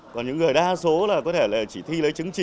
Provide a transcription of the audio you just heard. còn những người đa số là có thể chỉ thi lấy chứng chỉ